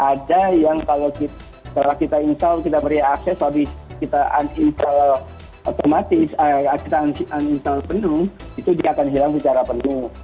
ada yang kalau kita install kita beri akses habis kita uninstall penuh itu dia akan hilang secara penuh